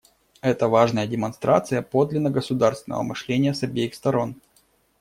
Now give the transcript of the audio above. Это важная демонстрация подлинно государственного мышления с обеих сторон.